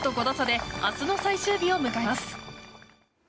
トップと５打差で明日の最終日を迎えます。